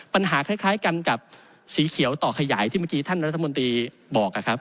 ปัญหาคล้ายกันกับสีเขียวต่อขยายที่เมื่อกี้ท่านรัฐมนตรีบอกนะครับ